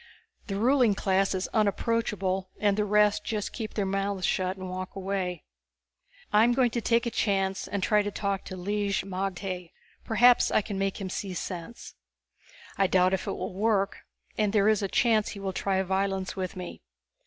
The ruling class is unapproachable and the rest just keep their mouths shut and walk away._ _I'm going to take a chance and try to talk to Lig magte, perhaps I can make him see sense. I doubt if it will work and there is a chance he will try violence with me.